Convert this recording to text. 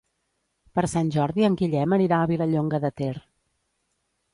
Per Sant Jordi en Guillem anirà a Vilallonga de Ter.